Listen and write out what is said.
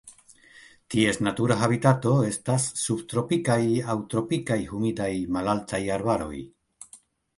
Ties natura habitato estas subtropikaj aŭ tropikaj humidaj malaltaj arbaroj.